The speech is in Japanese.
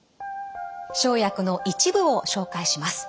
生薬の一部を紹介します。